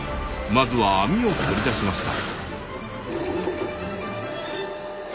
まずは網を取り出しました。